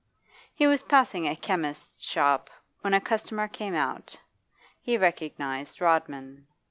He was passing a chemist's shop, when a customer came out He recognised Rodman.